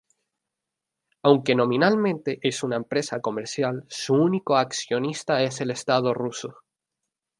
Aunque nominalmente es una empresa comercial su único accionista es el Estado Ruso.